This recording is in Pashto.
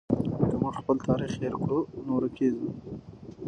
که موږ خپل تاریخ هېر کړو نو ورکېږو.